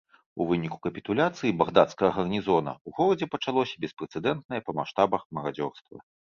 У выніку капітуляцыі багдадскага гарнізона ў горадзе пачалося беспрэцэдэнтнае па маштабах марадзёрства.